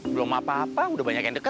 belom apa apa udah banyak yang deketin